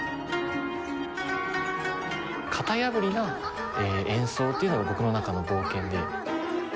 型破りな演奏っていうのが僕の中の冒険で。